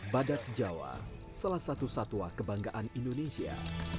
badak jawa salah satu satwa kebanggaan indonesia